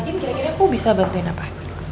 mungkin kira kira aku bisa bantuin apa